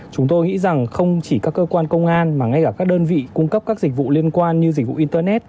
chúng tôi nghĩ rằng không chỉ các cơ quan công an mà ngay cả các đơn vị cung cấp các dịch vụ liên quan như dịch vụ internet